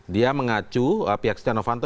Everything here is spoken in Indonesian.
dia mengacu pihak stiano fanto